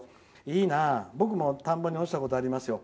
いいな、僕も田んぼに落ちたことありますよ。